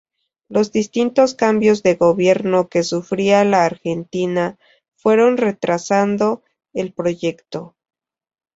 Los distintos cambios de gobierno que sufría la Argentina fueron retrasando el proyecto.